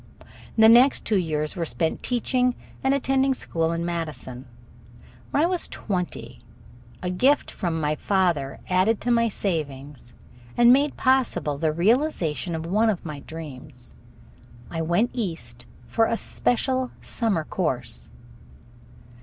The next two years were spent teaching and attending school in Madison. When I was twenty, a gift from father added to my savings and made possible the realization of one of my dreams. I went East for a special summer course.